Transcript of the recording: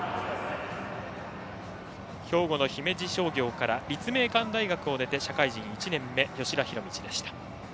兵庫の姫路商業から立命館大学を出て社会人１年目吉田弘道でした。